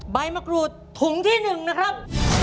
ใบมะกรูดถุงที่๑นะครับ